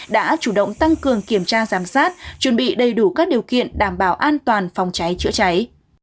đã chủ động tăng cường kiểm tra giám sát chuẩn bị đầy đủ các điều kiện đảm bảo an toàn phòng cháy chữa cháy